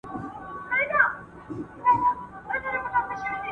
د توکو بیې به کنټرول سي.